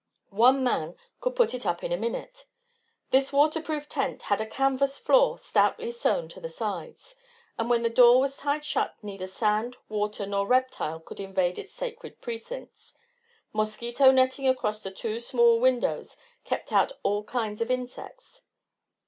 One man could put it up in a minute. This waterproof tent had a canvas floor stoutly sewn to the sides, and when the door was tied shut neither sand, water, nor reptile could invade its sacred precincts; mosquito netting across the two small windows kept out all kinds of insects.